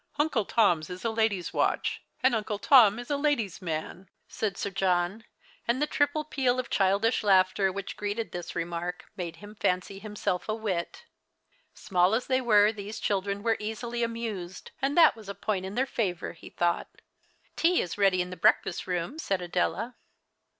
"Uncle Tom's is a lady's watch, and Uncle Tom is a lady's man," said Sir John, and the triple peal of childish laughter which greeted this remark made him fancy himself a wit. Small as they were tliese children were easily amused, and that was a point in their favour, he thought. " Tea is ready in the breakfast room," said Adela.